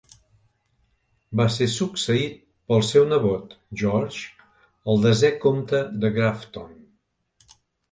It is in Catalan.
Va ser succeït pel seu nebot, George, el desè comte de Grafton.